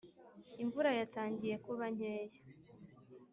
imvura yatangiye kuba nkeya